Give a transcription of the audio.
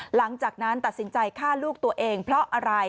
หลังจากนั้นตัดสินใจฆ่าลูกตัวเองเพราะอะไร